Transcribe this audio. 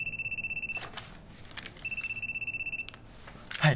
はい。